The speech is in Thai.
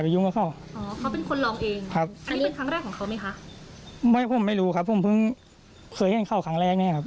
ไม่ผมไม่รู้ครับผมเพิ่งเคยให้เข้าครั้งแรกนี่ครับ